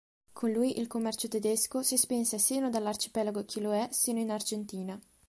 Con lui il commercio tedesco si spinse sino dall'arcipelago Chiloé sino in Argentina.